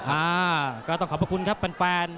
อ่าวก็ต้องขอบบคุณครับเป็นแฟน